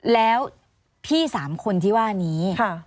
แล้วพี่๓คนที่ว่านี้